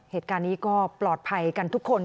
เหตุการณ์นี้ก็ปลอดภัยกันทุกคน